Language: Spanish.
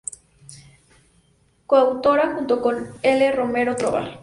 Coautora junto con L. Romero Tobar.